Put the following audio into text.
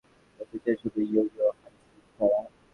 যাদের যাদের আসার কথা সবাই এসেছেন, শুধু ইয়ো ইয়ো হানি সিং ছাড়া।